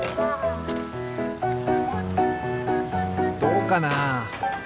どうかな？